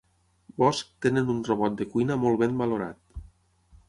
Bosch tenen un robot de cuina molt ben valorat.